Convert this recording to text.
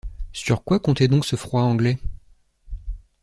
Sur quoi comptait donc ce froid Anglais?